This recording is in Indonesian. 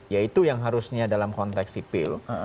yaitu yang harusnya dalam konteks sipil